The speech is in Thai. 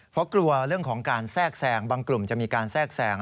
เพราะกลัวเรื่องของการแทรกแซงบางกลุ่มจะมีการแทรกแทรง